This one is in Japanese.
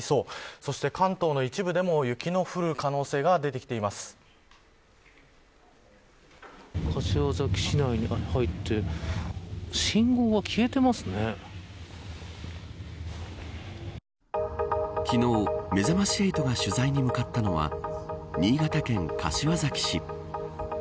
そして関東の一部でも雪の降る可能性が柏崎市内に入って昨日、めざまし８が取材に向かったのは新潟県柏崎市。